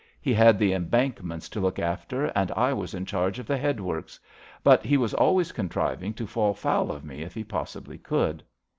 He had the embankments to look after, and I was in charge of the headworks, but he was always contriving to fall foul of me if he possibly could."